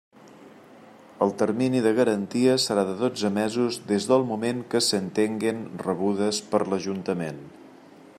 El termini de garantia serà de dotze mesos des del moment que s'entenguen rebudes per l'Ajuntament.